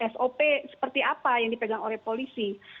sop seperti apa yang dipegang oleh polisi